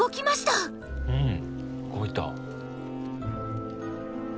うん動いた。